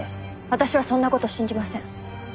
私はそんな事信じません。